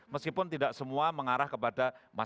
meskipun tidak semua mengarah kepada masyarakat